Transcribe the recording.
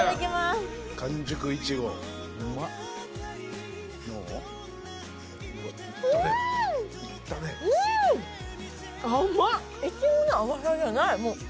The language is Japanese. イチゴの甘さじゃない。